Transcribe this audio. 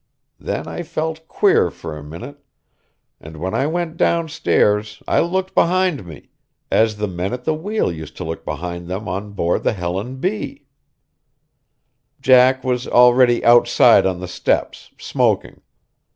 Then I felt queer for a minute, and when I went downstairs I looked behind me, as the men at the wheel used to look behind them on board the Helen B. Jack was already outside on the steps, smoking.